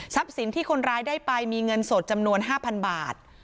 สินที่คนร้ายได้ไปมีเงินสดจำนวน๕๐๐บาท